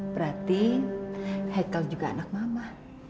berarti hackle juga anak mama